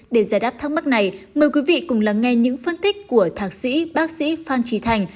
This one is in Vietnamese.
để giải đáp thắc mắc này mời quý vị cùng lắng nghe những phân tích của thạc sĩ bác sĩ phan trí thành